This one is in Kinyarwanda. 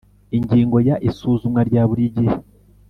Ingingo ya isuzumwa rya buri gihe